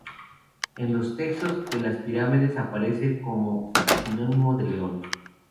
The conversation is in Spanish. En los Textos de las Pirámides aparece como sinónimo de león.